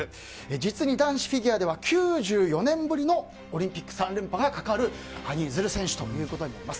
実に日本フィギュアでは９２年ぶりの３連覇がかかる羽生結弦選手となります。